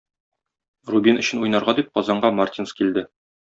Рубин өчен уйнарга дип Казанга Мартинс килде.